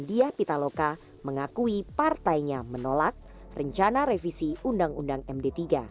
diah pitaloka mengakui partainya menolak rencana revisi undang undang md tiga